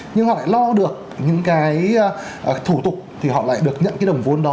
nhưng họ lại lo được những cái thủ tục thì họ lại được nhận cái đồng vốn đó